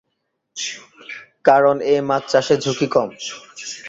কারণ এ মাছ চাষে ঝুঁকি কম।